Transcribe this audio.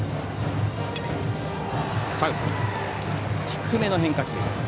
低めの変化球。